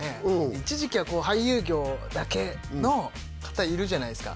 一時期はこう俳優業だけの方いるじゃないですか